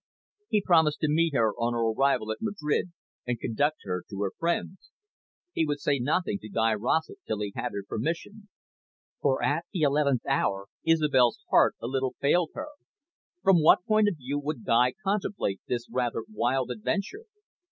He promised to meet her on her arrival at Madrid and conduct her to her friends. He would say nothing to Guy Rossett till he had her permission. For at the eleventh hour Isobel's heart a little failed her. From what point of view would Guy contemplate this rather wild adventure?